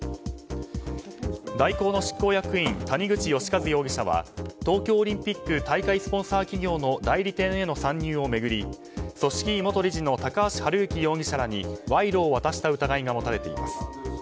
大広の執行役員谷口義一容疑者は東京オリンピック大会スポンサー企業の代理店への参入を巡り組織委元理事の高橋治之容疑者らに賄賂を渡した疑いが持たれています。